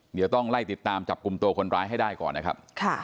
เดี๋ยวต้องไล่ติดตามจับกลุ่มตัวคนร้ายให้ได้ก่อนนะครับ